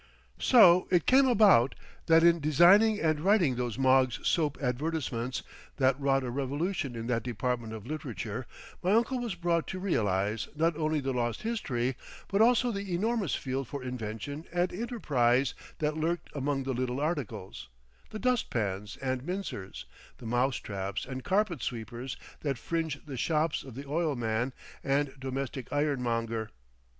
So it came about that in designing and writing those Moggs' Soap Advertisements, that wrought a revolution in that department of literature, my uncle was brought to realise not only the lost history, but also the enormous field for invention and enterprise that lurked among the little articles, the dustpans and mincers, the mousetraps and carpet sweepers that fringe the shops of the oilman and domestic ironmonger.